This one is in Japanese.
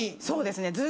そうですね。